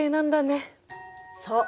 そう。